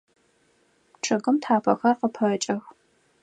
Чъыгым тхьапэхэр къыпэкӏэх.